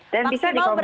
dan bisa dikombinasi